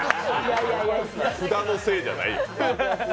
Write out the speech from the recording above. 札のせいじゃないです。